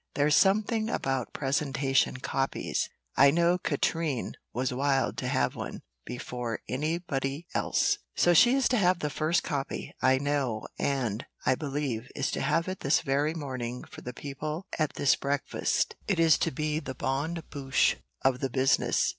There's something about presentation copies: I know Katrine was wild to have one before any body else, so she is to have the first copy, I know, and, I believe, is to have it this very morning for the people at this breakfast: it is to be the bonne bouche of the business."